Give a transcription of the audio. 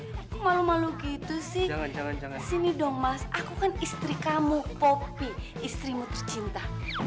hai hai hai malu malu gitu sih jangan jangan sini dong mas aku kan istri kamu popi istrimu tercinta